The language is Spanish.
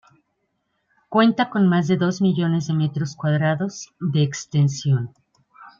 Cuenta con más de dos millones de metros cuadrados de extensión.